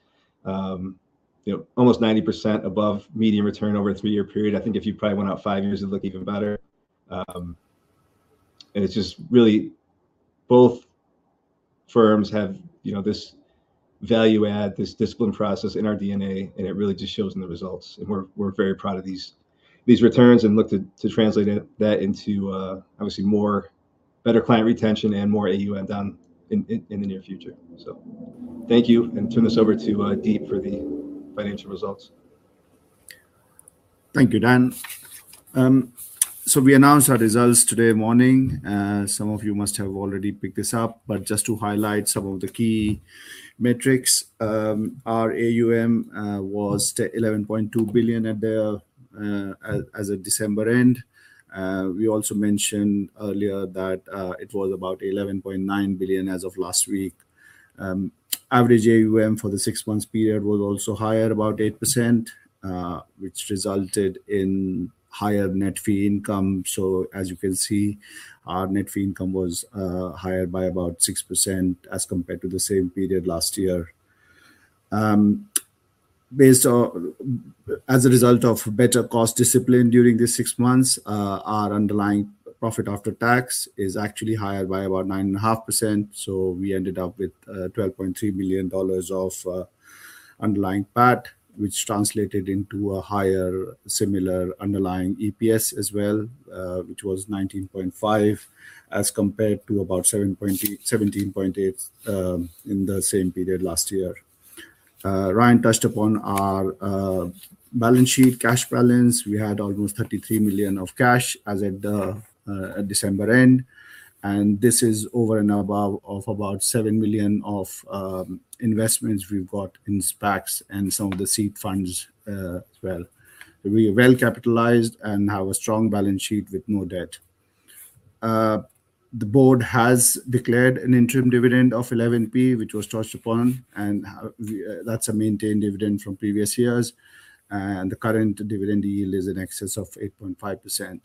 You know, almost 90% above median return over a three-year period. I think if you probably went out five-years, it'd look even better. It's just really both firms have, you know, this value add, this disciplined process in our DNA, and it really just shows in the results. We're very proud of these returns and look to translate that into, obviously better client retention and more AUM in the near future. Thank you, and turn this over to Deep for the financial results. Thank you, Dan. We announced our results this morning. Some of you must have already picked this up, but just to highlight some of the key metrics. Our AUM was $11.2 billion as of December end. We also mentioned earlier that it was about $11.9 billion as of last week. Average AUM for the six months period was also higher, about 8%, which resulted in higher net fee income. As you can see, our net fee income was higher by about 6% as compared to the same period last year. Based on... As a result of better cost discipline during this six months, our underlying profit after tax is actually higher by about 9.5%, so we ended up with $12.3 million of underlying PAT, which translated into a higher similar underlying EPS as well, which was 19.5 as compared to about 17.8 in the same period last year. Rian touched upon our balance sheet, cash balance. We had almost $33 million of cash as at the December end, and this is over and above of about $7 million of investments we've got in SPACs and some of the seed funds as well. We are well-capitalized and have a strong balance sheet with no debt. The board has declared an interim dividend of 11p, which was touched upon, and that's a maintained dividend from previous years, and the current dividend yield is in excess of 8.5%.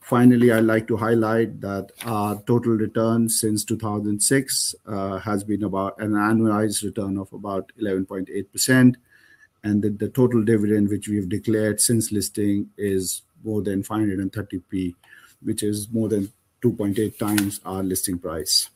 Finally, I'd like to highlight that our total return since 2006 has been about an annualized return of about 11.8%, and the total dividend which we have declared since listing is more than 530p, which is more than 2.8 times our listing price.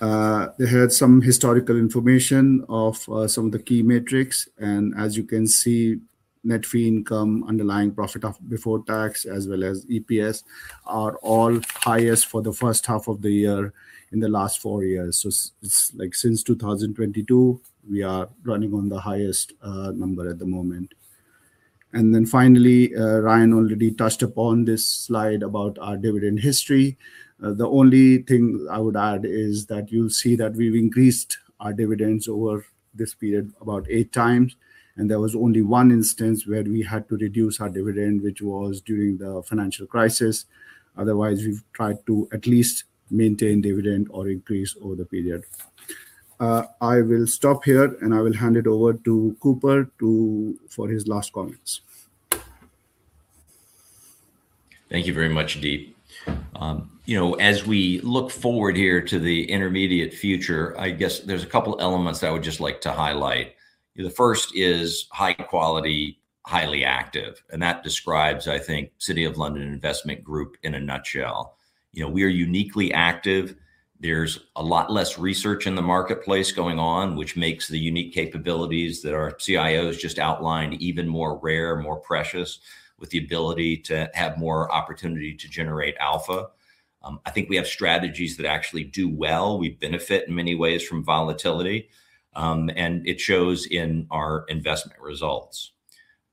They had some historical information of some of the key metrics, and as you can see, net fee income, underlying profit before tax, as well as EPS are all highest for the H1 of the year in the last four-years. Like since 2022, we are running on the highest number at the moment. Finally, Rian already touched upon this slide about our dividend history. The only thing I would add is that you'll see that we've increased our dividends over this period about eight times, and there was only one instance where we had to reduce our dividend, which was during the financial crisis. Otherwise, we've tried to at least maintain dividend or increase over the period. I will stop here, and I will hand it over to Cooper for his last comments. Thank you very much, Deep. You know, as we look forward here to the immediate future, I guess there's a couple elements I would just like to highlight. The first is high quality, highly active, and that describes, I think, City of London Investment Group in a nutshell. You know, we are uniquely active. There's a lot less research in the marketplace going on, which makes the unique capabilities that our CIOs just outlined even more rare, more precious, with the ability to have more opportunity to generate alpha. I think we have strategies that actually do well. We benefit in many ways from volatility, and it shows in our investment results.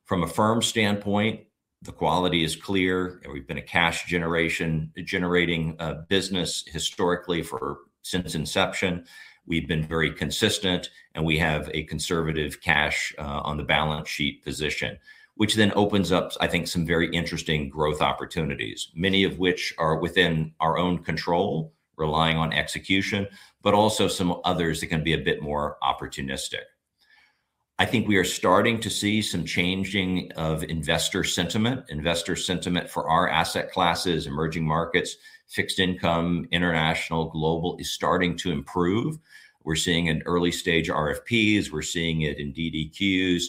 From a firm standpoint, the quality is clear, and we've been a cash generating business historically since inception. We've been very consistent, and we have a conservative cash on the balance sheet position, which then opens up, I think, some very interesting growth opportunities, many of which are within our own control, relying on execution, but also some others that can be a bit more opportunistic. I think we are starting to see some changing of investor sentiment. Investor sentiment for our asset classes, emerging markets, fixed income, international, global is starting to improve. We're seeing in early-stage RFPs, we're seeing it in DDQs,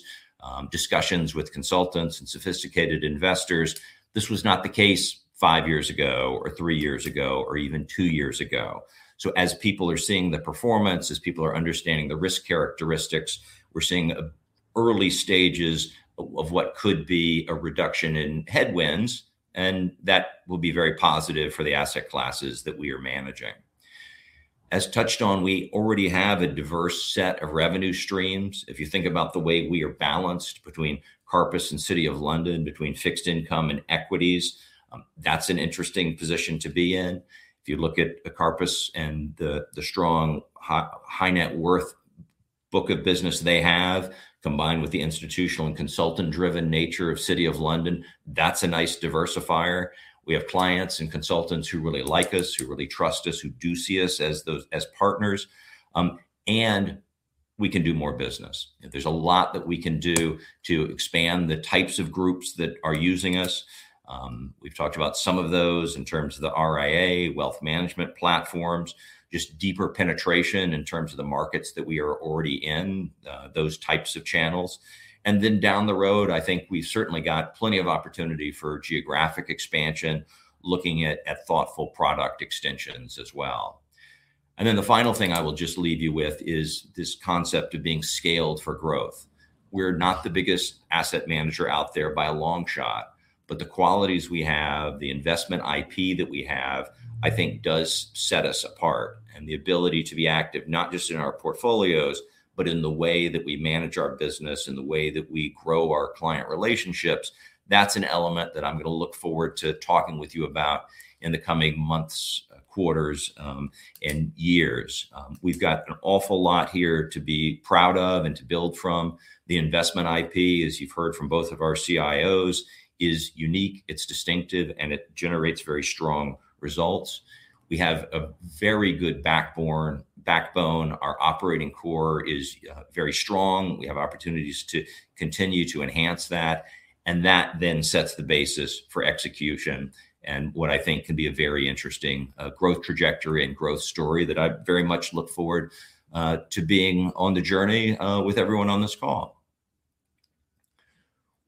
discussions with consultants and sophisticated investors. This was not the case five-years ago or three-years ago or even two-years ago. As people are seeing the performance, as people are understanding the risk characteristics, we're seeing early stages of what could be a reduction in headwinds, and that will be very positive for the asset classes that we are managing. As touched on, we already have a diverse set of revenue streams. If you think about the way we are balanced between Karpus and City of London, between fixed income and equities, that's an interesting position to be in. If you look at the Karpus and the strong high net worth book of business they have, combined with the institutional and consultant-driven nature of City of London, that's a nice diversifier. We have clients and consultants who really like us, who really trust us, who do see us as those as partners, and we can do more business. There's a lot that we can do to expand the types of groups that are using us. We've talked about some of those in terms of the RIA wealth management platforms, just deeper penetration in terms of the markets that we are already in, those types of channels. Down the road, I think we've certainly got plenty of opportunity for geographic expansion, looking at thoughtful product extensions as well. The final thing I will just leave you with is this concept of being scaled for growth. We're not the biggest asset manager out there by a long shot, but the qualities we have, the investment IP that we have, I think does set us apart. The ability to be active, not just in our portfolios, but in the way that we manage our business and the way that we grow our client relationships, that's an element that I'm gonna look forward to talking with you about in the coming months, quarters, and years. We've got an awful lot here to be proud of and to build from. The investment IP, as you've heard from both of our CIOs, is unique, it's distinctive, and it generates very strong results. We have a very good backbone. Our operating core is very strong. We have opportunities to continue to enhance that, and that then sets the basis for execution and what I think can be a very interesting growth trajectory and growth story that I very much look forward to being on the journey with everyone on this call.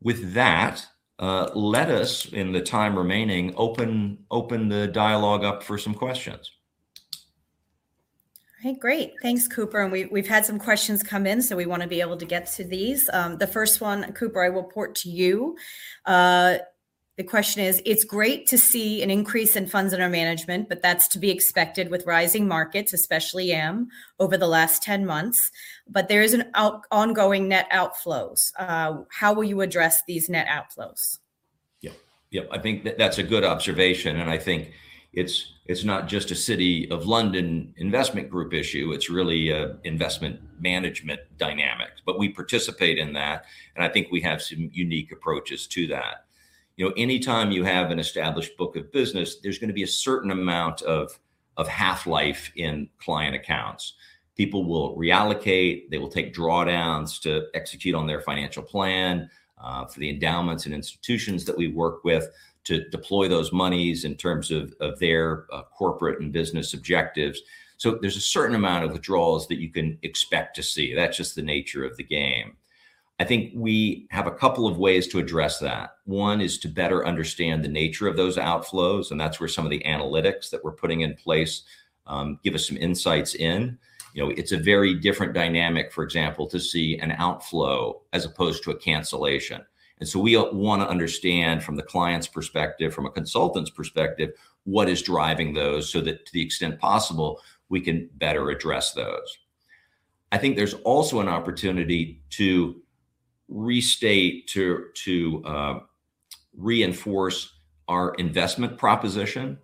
With that, let us, in the time remaining, open the dialogue up for some questions. Okay, great. Thanks, Cooper. We've had some questions come in, so we wanna be able to get to these. The first one, Cooper, I will pass to you. The question is, it's great to see an increase in funds under management, but that's to be expected with rising markets, especially EM, over the last 10 months. There is an ongoing net outflows. How will you address these net outflows? Yep. Yep, I think that that's a good observation, and I think it's not just a City of London Investment Group issue, it's really a investment management dynamic. We participate in that, and I think we have some unique approaches to that. You know, anytime you have an established book of business, there's gonna be a certain amount of half-life in client accounts. People will reallocate, they will take drawdowns to execute on their financial plan, for the endowments and institutions that we work with to deploy those monies in terms of their corporate and business objectives. So there's a certain amount of withdrawals that you can expect to see. That's just the nature of the game. I think we have a couple of ways to address that. One is to better understand the nature of those outflows, and that's where some of the analytics that we're putting in place give us some insights in. You know, it's a very different dynamic, for example, to see an outflow as opposed to a cancellation. We wanna understand from the client's perspective, from a consultant's perspective, what is driving those so that to the extent possible, we can better address those. I think there's also an opportunity to restate, to reinforce our investment proposition.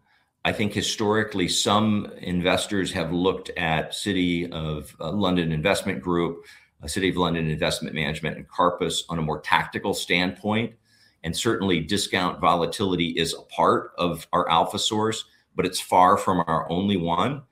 I think historically, some investors have looked at City of London Investment Group, City of London Investment Management, and Karpus on a more tactical standpoint. Certainly, discount volatility is a part of our alpha source, but it's far from our only one.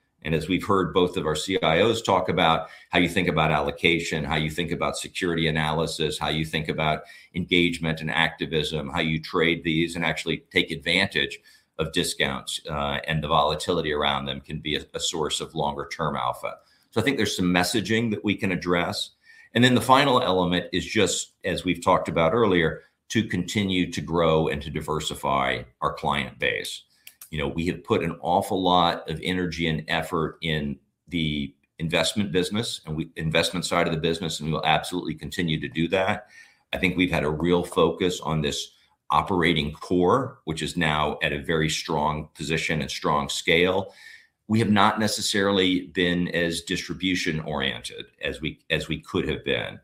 We've heard both of our CIOs talk about how you think about allocation, how you think about security analysis, how you think about engagement and activism, how you trade these and actually take advantage of discounts, and the volatility around them can be a source of longer term alpha. I think there's some messaging that we can address. Then the final element is just, as we've talked about earlier, to continue to grow and to diversify our client base. You know, we have put an awful lot of energy and effort in the investment side of the business, and we will absolutely continue to do that. I think we've had a real focus on this operating core, which is now at a very strong position and strong scale. We have not necessarily been as distribution-oriented as we could have been.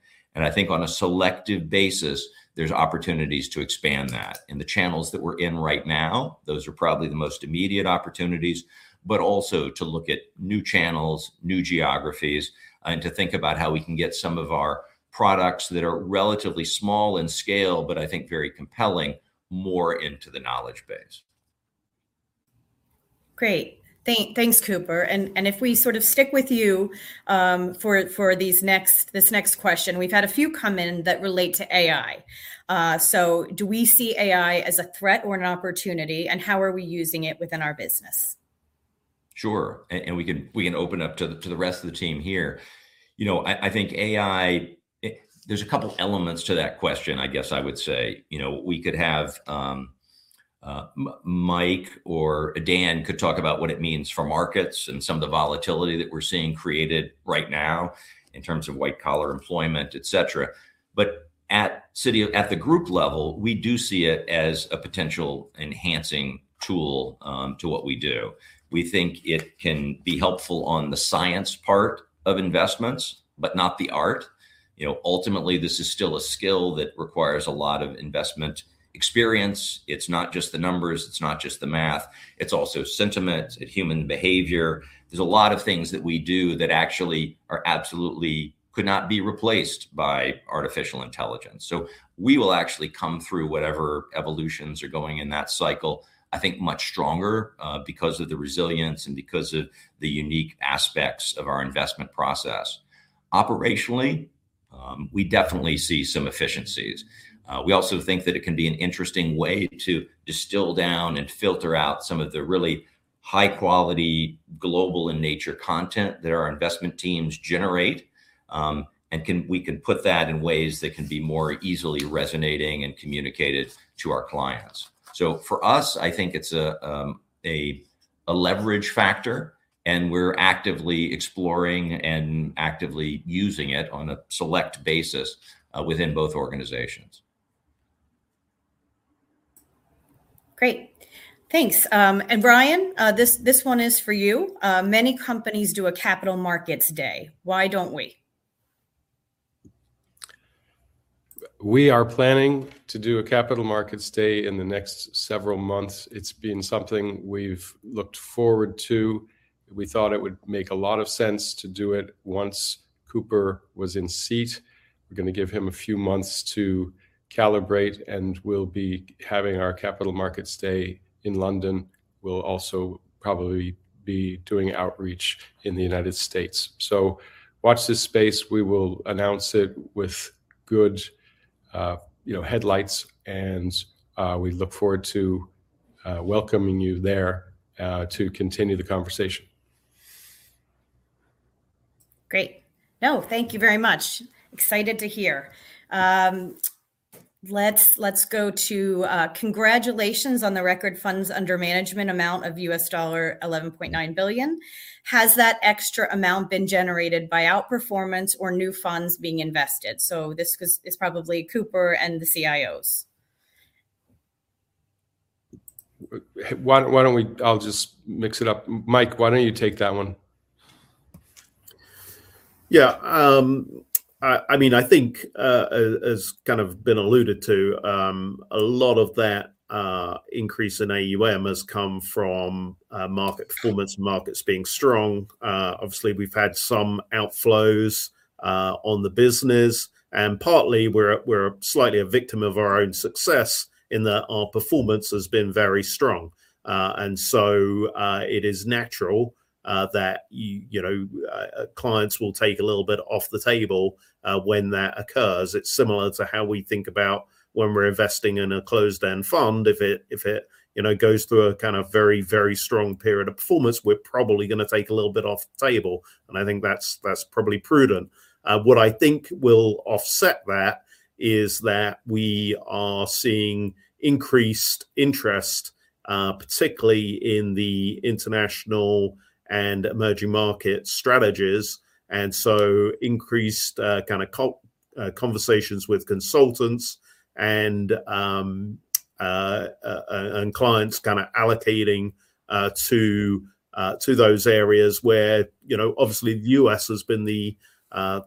I think on a selective basis, there's opportunities to expand that. In the channels that we're in right now, those are probably the most immediate opportunities, but also to look at new channels, new geographies, and to think about how we can get some of our products that are relatively small in scale, but I think very compelling, more into the knowledge base. Great. Thanks, Cooper. If we sort of stick with you for this next question. We've had a few come in that relate to AI. Do we see AI as a threat or an opportunity, and how are we using it within our business? Sure. We can open up to the rest of the team here. You know, I think AI, there's a couple elements to that question, I guess I would say. You know, we could have Mike or Dan could talk about what it means for markets and some of the volatility that we're seeing created right now in terms of white-collar employment, et cetera. At the group level, we do see it as a potential enhancing tool to what we do. We think it can be helpful on the science part of investments, but not the art. You know, ultimately, this is still a skill that requires a lot of investment experience. It's not just the numbers, it's not just the math, it's also sentiment, human behavior. There's a lot of things that we do that actually are absolutely could not be replaced by artificial intelligence. We will actually come through whatever evolutions are going in that cycle, I think much stronger, because of the resilience and because of the unique aspects of our investment process. Operationally, we definitely see some efficiencies. We also think that it can be an interesting way to distill down and filter out some of the really high-quality, global in nature content that our investment teams generate. We can put that in ways that can be more easily resonating and communicated to our clients. For us, I think it's a- A leverage factor, we're actively exploring and actively using it on a select basis within both organizations. Great. Thanks. Rian, this one is for you. Many companies do a capital markets day. Why don't we? We are planning to do a capital markets day in the next several months. It's been something we've looked forward to. We thought it would make a lot of sense to do it once Cooper was in seat. We're gonna give him a few months to calibrate, and we'll be having our capital markets day in London. We'll also probably be doing outreach in the United States. Watch this space. We will announce it with good, you know, headlights and, we look forward to, welcoming you there, to continue the conversation. Great. No, thank you very much. Excited to hear. Let's go to, "Congratulations on the record funds under management amount of $11.9 billion. Has that extra amount been generated by outperformance or new funds being invested?" This is probably Cooper and the CIOs. I'll just mix it up. Mike, why don't you take that one? I mean, I think, as has kind of been alluded to, a lot of that increase in AUM has come from market performance, markets being strong. Obviously we've had some outflows on the business, and partly we're slightly a victim of our own success in that our performance has been very strong. It is natural that you know clients will take a little bit off the table when that occurs. It's similar to how we think about when we're investing in a closed-end fund. If it you know goes through a kind of very strong period of performance, we're probably gonna take a little bit off the table, and I think that's probably prudent. What I think will offset that is that we are seeing increased interest, particularly in the international and emerging market strategies, and so increased kind of conversations with consultants and clients kinda allocating to those areas where, you know, obviously the U.S. has been the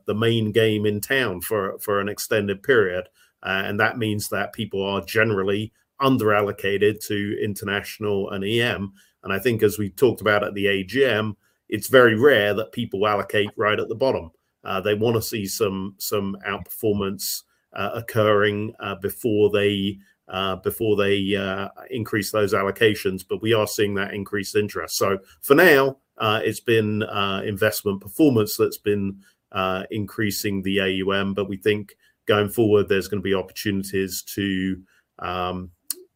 main game in town for an extended period. That means that people are generally under-allocated to international and EM. I think as we talked about at the AGM, it's very rare that people allocate right at the bottom. They wanna see some outperformance occurring before they increase those allocations. We are seeing that increased interest. For now, it's been investment performance that's been increasing the AUM. We think going forward there's gonna be opportunities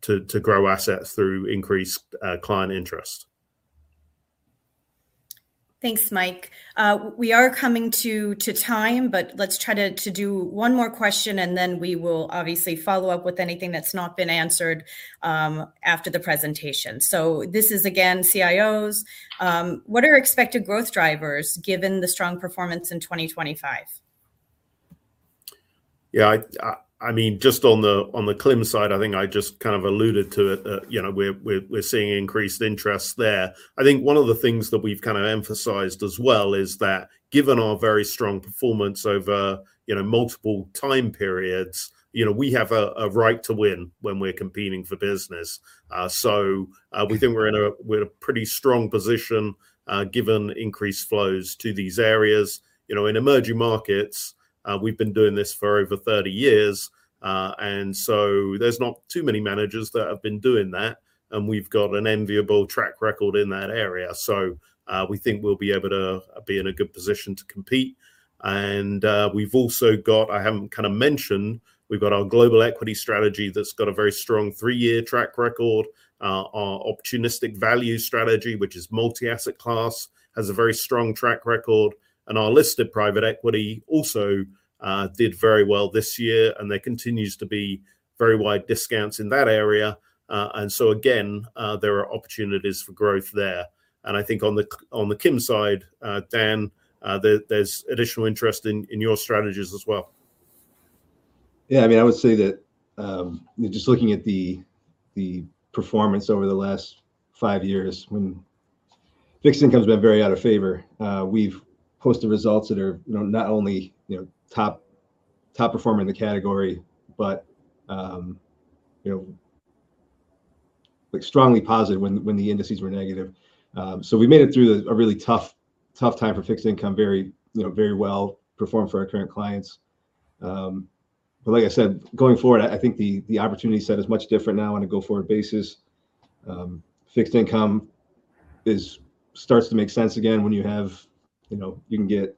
to grow assets through increased client interest. Thanks, Mike. We are coming to time, but let's try to do one more question and then we will obviously follow-up with anything that's not been answered after the presentation. This is again, CIOs. What are expected growth drivers given the strong performance in 2025? Yeah, I mean, just on the CLIM side, I think I just kind of alluded to it, you know, we're seeing increased interest there. I think one of the things that we've kind of emphasized as well is that given our very strong performance over, you know, multiple time periods, you know, we have a right to win when we're competing for business. So, we think we're in a pretty strong position, given increased flows to these areas. You know, in emerging markets, we've been doing this for over 30-years, and so there's not too many managers that have been doing that, and we've got an enviable track record in that area. So, we think we'll be able to be in a good position to compete. We've also got, I haven't kind of mentioned, we've got our Global Equity strategy that's got a very strong three-year track record. Our Opportunistic Value strategy, which is multi-asset class, has a very strong track record. Our listed private equity also did very well this year, and there continues to be very wide discounts in that area. There are opportunities for growth there. I think on the CLIM side, Dan, there's additional interest in your strategies as well. Yeah, I mean, I would say that just looking at the performance over the last five-years when fixed income's been very out of favor, we've posted results that are you know not only you know top performer in the category, but you know like strongly positive when the indices were negative. We made it through a really tough time for fixed income, very well performed for our current clients. Like I said, going forward, I think the opportunity set is much different now on a go forward basis. Fixed income starts to make sense again when you have you know you can get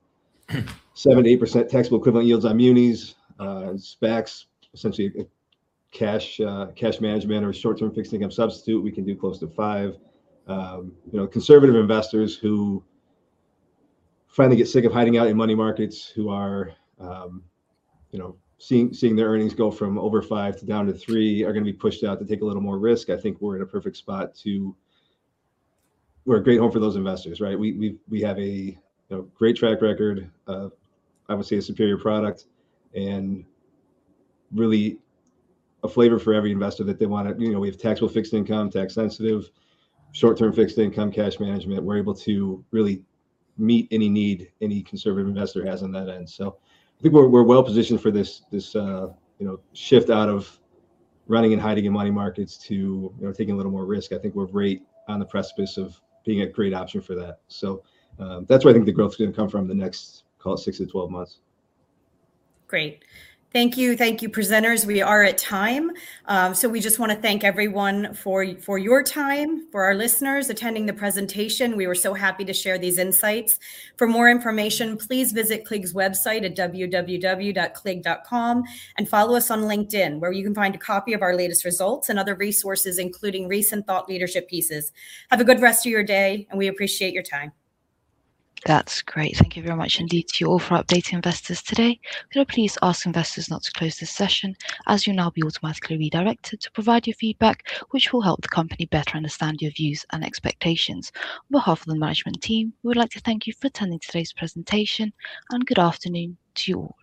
7%-8% taxable equivalent yields on munis. Specs essentially cash management or short-term fixed income substitute, we can do close to 5. You know, conservative investors who finally get sick of hiding out in money markets, who are, you know, seeing their earnings go from over 5% to down to 3% are gonna be pushed out to take a little more risk. I think we're in a perfect spot. We're a great home for those investors, right? We have a great track record of, I would say, a superior product and really a flavor for every investor that they want it. You know, we have taxable fixed income, tax sensitive, short-term fixed income, cash management. We're able to really meet any need any conservative investor has on that end. I think we're well positioned for this shift out of running and hiding in money markets to taking a little more risk. I think we're right on the precipice of being a great option for that. That's where I think the growth is gonna come from in the next, call it six-12 months. Great. Thank you. Thank you, presenters. We are at time. So we just wanna thank everyone for your time, for our listeners attending the presentation. We were so happy to share these insights. For more information, please visit CLIG's website at www.clig.com and follow us on LinkedIn where you can find a copy of our latest results and other resources, including recent thought leadership pieces. Have a good rest of your day, and we appreciate your time. That's great. Thank you very much indeed to you all for updating investors today. Could I please ask investors not to close this session, as you'll now be automatically redirected to provide your feedback, which will help the company better understand your views and expectations. On behalf of the management team, we would like to thank you for attending today's presentation, and good afternoon to you all.